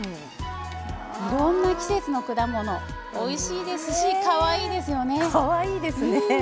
いろんな季節の果物おいしいですしかわいいですよね。